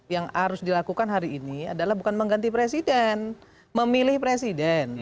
yang harus dilakukan hari ini adalah bukan mengganti presiden memilih presiden